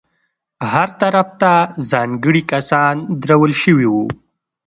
هر طرف ته ځانګړي کسان درول شوي وو.